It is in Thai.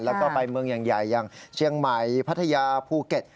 แล้วก็ไปเมืองใหญ่อย่างเชียงใหม่พัทยาภูเก็ต